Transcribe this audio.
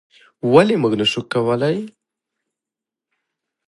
ولې موږ نشو کولی؟